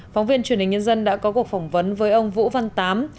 phóng viên truyền hình nhân dân đã có cuộc phỏng vấn với ông vũ văn tám